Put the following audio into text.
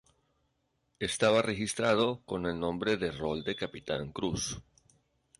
Estaba registrado con el nombre de rol de "Capitán Cruz".